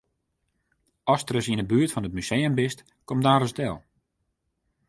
Ast ris yn 'e buert fan it museum bist, kom dan ris del.